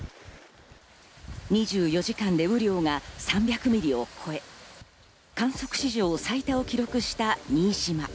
２４時間で雨量が３００ミリを超え、観測史上最多を記録した新島。